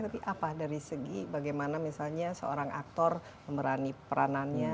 tapi apa dari segi bagaimana misalnya seorang aktor memerani peranannya